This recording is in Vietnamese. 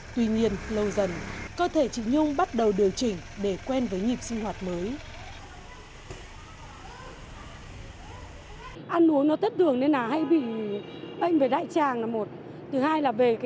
tuy nhiên lâu dần cơ thể chị nhung bắt đầu điều chỉnh để quen với nhịp sinh hoạt mới